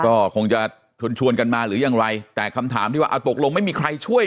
ก็คงจะชวนชวนกันมาหรือยังไรแต่คำถามที่ว่าเอาตกลงไม่มีใครช่วย